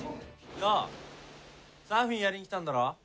なあサーフィンやりに来たんだろ？